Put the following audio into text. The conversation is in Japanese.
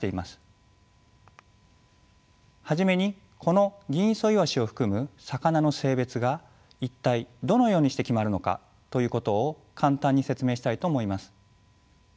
初めにこのギンイソイワシを含む魚の性別が一体どのようにして決まるのか？ということを簡単に説明したいと思います。